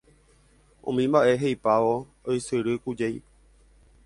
Umi mba'e he'ipávo oisyrykujey